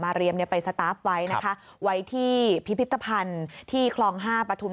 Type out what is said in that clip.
เรียมไปสตาฟไว้นะคะไว้ที่พิพิธภัณฑ์ที่คลอง๕ปฐุม